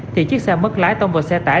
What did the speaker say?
thì chiếc xe mất lái tông vào xe tải